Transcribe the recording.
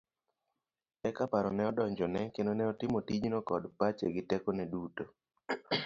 Eka paro ne odonjone kendo ne otimo tijno kod pache gi teko ne duto.